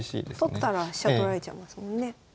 取ったら飛車取られちゃいますもんね。